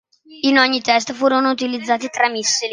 In ogni test, furono utilizzati tre missili.